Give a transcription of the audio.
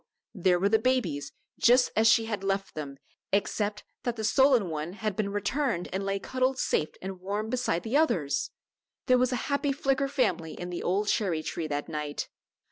there were the babies just as she had left them except that the stolen one had been returned and lay cuddled safe and warm beside the others! There was a happy Flicker family in the old cherry tree that night.